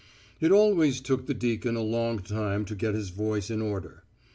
It always took the deacon a long time to get his voice in order.